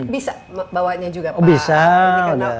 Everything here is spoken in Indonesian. bisa bawa nya juga pak